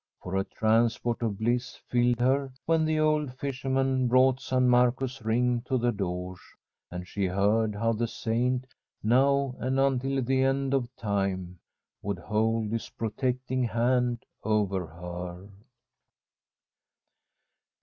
For a transport of bliss filled her when the old fisherman brought San Marco's ring to the Doge, and she heard how the Saint, now, and until the end of time, would hold his protecting hand over her.